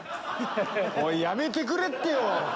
おいやめてくれってよ！